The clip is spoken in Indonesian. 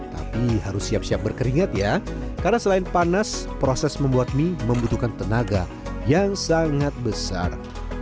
tapi harus siap siap berkeringat ya karena selain panas proses membuat mie membutuhkan tenaga yang sangat besar